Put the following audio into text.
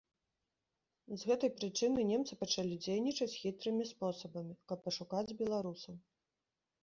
З гэтай прычыны немцы пачалі дзейнічаць хітрымі спосабамі, каб ашукаць беларусаў.